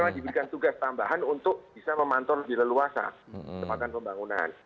karena diberikan tugas tambahan untuk bisa memantau lebih leluasa tempatan pembangunan